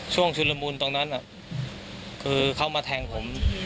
ชุดละมุนตรงนั้นคือเขามาแทงผม